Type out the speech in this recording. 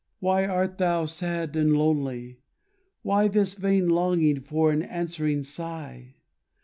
why art thou sad and lonely? Why this vain longing for an answering sigh?